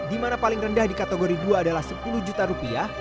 di mana paling rendah di kategori dua adalah sepuluh juta rupiah